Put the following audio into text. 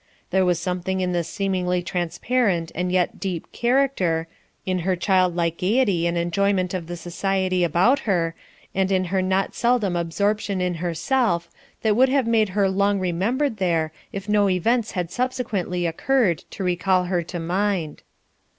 There was something in this seemingly transparent and yet deep character, in her childlike gaiety and enjoyment of the society about her, and in her not seldom absorption in herself, that would have made her long remembered there if no events had subsequently occurred to recall her to mind.